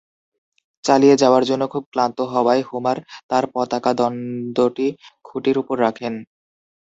চালিয়ে যাওয়ার জন্য খুব ক্লান্ত হওয়ায় হোমার তার পতাকাদণ্ডটি খুঁটির ওপর রাখেন।